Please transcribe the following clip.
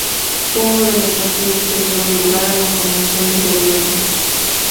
Fue uno de los partidos que dieron lugar a la formación de gobierno.